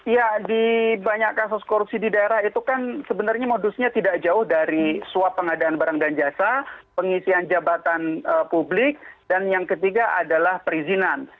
ya di banyak kasus korupsi di daerah itu kan sebenarnya modusnya tidak jauh dari suap pengadaan barang dan jasa pengisian jabatan publik dan yang ketiga adalah perizinan